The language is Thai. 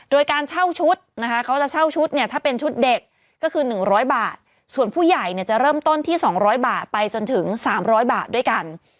โดยการเช่าชุดนะคะเขาจะเช่าชุดเนี่ยถ้าเป็นชุดเด็กก็คือ๑๐๐บาทส่วนผู้ใหญ่เนี่ยจะเริ่มต้นที่๒๐๐บาทไปจนถึง๓๐๐บาทด้วยกัน